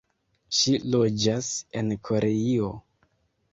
Ŝi loĝas en Koreio.